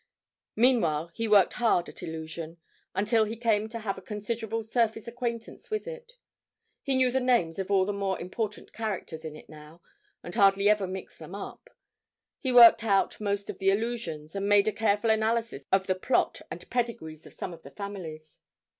Meanwhile he worked hard at 'Illusion,' until he came to have a considerable surface acquaintance with it; he knew the names of all the more important characters in it now, and hardly ever mixed them up; he worked out most of the allusions, and made a careful analysis of the plot and pedigrees of some of the families.